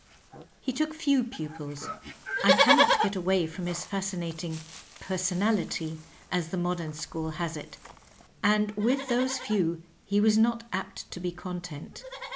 He took few pupils — ^I can not get away from his fascinating " personality,'^ as the modem school has it — and with those few he was not apt to be content.